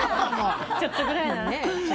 ちょっとぐらい。